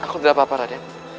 aku tidak apa apa raden